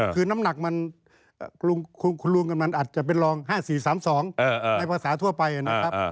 คือน้ำหนักมันรวมกันมันอาจจะเป็นรอง๕๔๓๒ในภาษาทั่วไปนะครับ